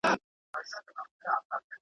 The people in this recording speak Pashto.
چي له سره مېړه و نه کړي